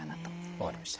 分かりました。